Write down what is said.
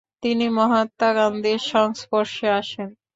তিনি মহাত্মা গান্ধীর সংস্পর্শে আসেন।